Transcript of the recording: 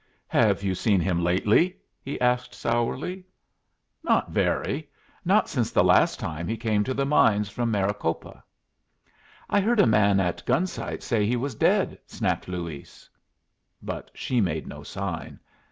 "Have you seen him lately?" he asked, sourly. "Not very. Not since the last time he came to the mines from Maricopa." "I heard a man at Gun Sight say he was dead," snapped Luis. But she made no sign.